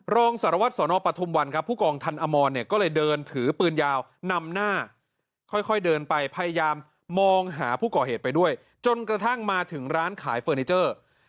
รองสารวัตรสนปฐุมวันครับผู้กองทันอมรเนี่ยก็เลยเดินถือปืนยาวนำหน้าค่อยเดินไปพยายามมองหาผู้ก่อเหตุไปด้วยจนกระทั่งมาถึงร้านขายเฟอร์นิเจอร์